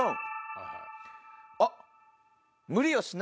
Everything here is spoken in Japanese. あっ。